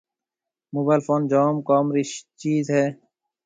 موبائل فون جام ڪم رِي چيز ھيََََ